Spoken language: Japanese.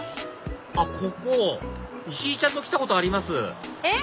あっここ石井ちゃんと来たことありますえっ？